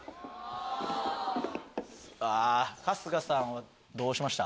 春日さんどうしました？